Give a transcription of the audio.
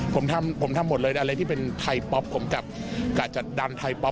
ผมทำผมทำหมดเลยอะไรที่เป็นไทยป๊อปผมกับกาดจัดดันไทยป๊อป